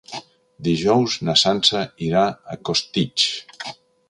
Dijous na Sança irà a Costitx.